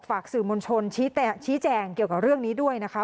ฝากสื่อมวลชนชี้แจงเกี่ยวกับเรื่องนี้ด้วยนะคะ